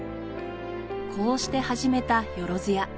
こうして始めたよろづや。